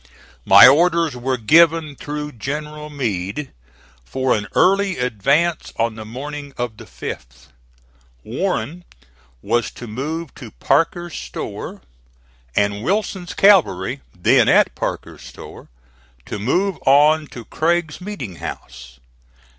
My orders were given through General Meade for an early advance on the morning of the 5th. Warren was to move to Parker's store, and Wilson's cavalry then at Parker's store to move on to Craig's meeting house.